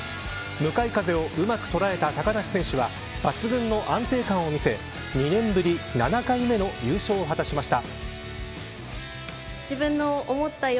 向かい風をうまく捉えた高梨選手は抜群の安定感を見せ２年ぶり７回目の優勝を果たしました。